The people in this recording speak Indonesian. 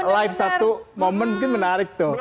live satu momen mungkin menarik tuh